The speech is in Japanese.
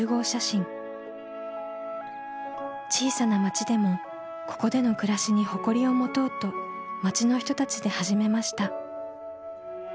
小さな町でもここでの暮らしに誇りを持とうと町の人たちで始めました。